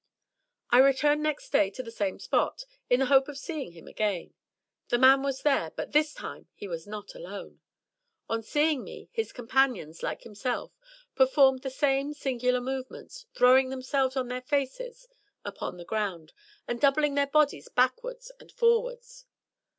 I returned next day to the same spot, in the hope of seeing him again; the man was there, but this time he was not alone. On seeing me his companions, like himself, performed the same singular movements, throwing themselves on their faces upon the ground, and doubling their bodies backwards and forwards.